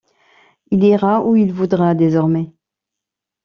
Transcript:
Il ira où il voudra, désormais.